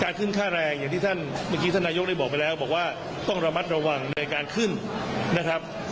ขึ้นค่าแรงอย่างที่ท่านเมื่อกี้ท่านนายกได้บอกไปแล้วบอกว่าต้องระมัดระวังในการขึ้นนะครับ